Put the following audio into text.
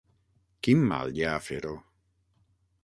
Quin mal hi ha a fer-ho?